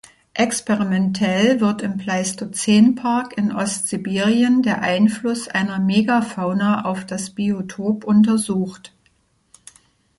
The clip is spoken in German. Experimentell wird im Pleistozän-Park in Ostsibirien der Einfluss einer Megafauna auf das Biotop untersucht.